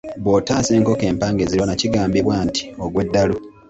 Bw’otaasa enkoko empanga ezirwana kigambibwa nti ogwa eddalu.